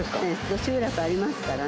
集落ありますからね。